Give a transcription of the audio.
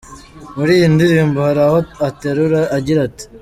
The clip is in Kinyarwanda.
Muri iyi ndirimbo hari aho aterura agira ati:.